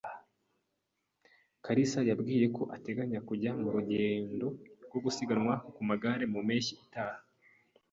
kalisa yambwiye ko ateganya kujya mu rugendo rwo gusiganwa ku magare mu mpeshyi itaha.